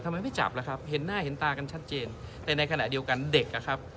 ไม่จับล่ะครับเห็นหน้าเห็นตากันชัดเจนแต่ในขณะเดียวกันเด็กอ่ะครับ